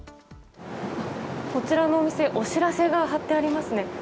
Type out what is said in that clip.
こちらのお店お知らせが貼ってありますね。